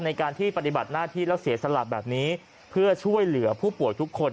ในการที่ปฏิบัติหน้าที่แล้วเสียสละแบบนี้เพื่อช่วยเหลือผู้ป่วยทุกคน